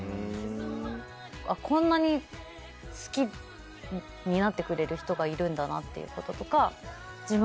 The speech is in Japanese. あっこんなに好きになってくれる人がいるんだなっていうこととか自分